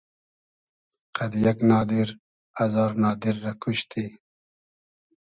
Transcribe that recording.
قئد یئگ نادیر ازار نادیر رۂ کوشتی